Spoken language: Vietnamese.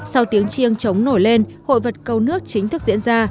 sau tiếng chiêng chống nổi lên hội vật cầu nước chính thức diễn ra